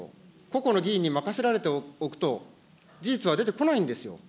個々の議員に任せられておくと、事実は出てこないんですよ。